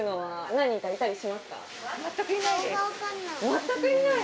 全くいない？